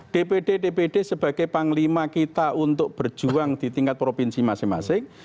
dpd dpd sebagai panglima kita untuk berjuang di tingkat provinsi masing masing